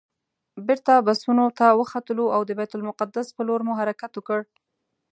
بېرته بسونو ته وختلو او د بیت المقدس پر لور مو حرکت وکړ.